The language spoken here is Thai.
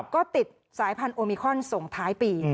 ก็ติดสายพันธุมิคอนส่งท้ายปี